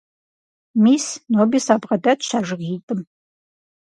Мис, ноби сабгъэдэтщ а жыгитӀым.